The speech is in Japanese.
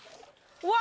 うわ！